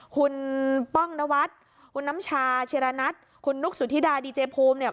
คุณป้องนวัฒน์คุณน้ำชาเชียรนัทคุณนุกสุธิดาดีเจภูมิ